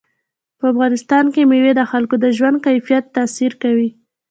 په افغانستان کې مېوې د خلکو د ژوند کیفیت تاثیر کوي.